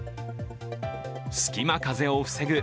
隙間風を防ぐ